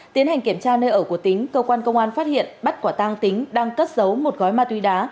tiến hành kiểm tra nơi ở của tính cơ quan công an phát hiện bắt quả tang tính đang cất giấu một gói ma túy đá